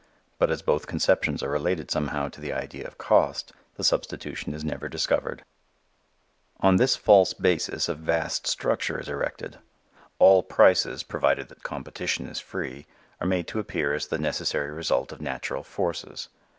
But as both conceptions are related somehow to the idea of cost, the substitution is never discovered. On this false basis a vast structure is erected. All prices, provided that competition is free, are made to appear as the necessary result of natural forces.